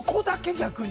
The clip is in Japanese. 逆に！？